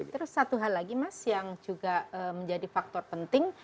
terus satu hal lagi mas yang juga menjadi faktor penting